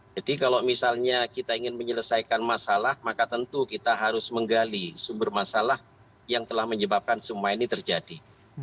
jadi kalau misalnya kita ingin menyelesaikan masalah maka tentu kita harus menggali sumber masalah yang telah menyebabkan semua ini terjadi